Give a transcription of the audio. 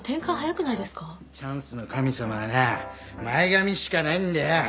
チャンスの神様はな前髪しかないんだよ。